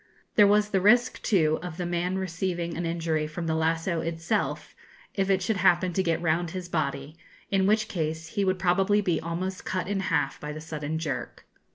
There was the risk too of the man receiving an injury from the lasso itself, if it should happen to get round his body, in which case he would probably be almost cut in half by the sudden jerk.